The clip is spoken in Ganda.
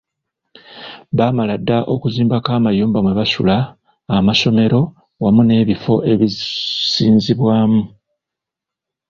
Baamala dda okuzimbako amayumba mwe basula, amasomero, wamu n’ebifo ebisinzizibwamu.